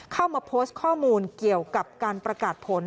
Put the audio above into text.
เข้ามาโพสต์ข้อมูลเกี่ยวกับการประกาศผล